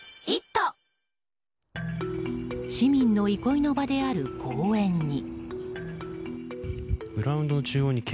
市民の憩いの場である公園に。